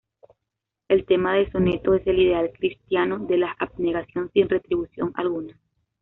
El tema del soneto es el ideal cristiano de la abnegación sin retribución alguna.